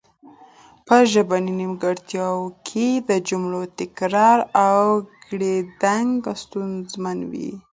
په ژبنۍ نیمګړتیا کې د جملو تکرار او ګړیدنګ ستونزمن وي